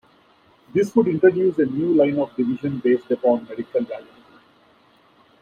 This would introduce a new line of division based upon medical validity.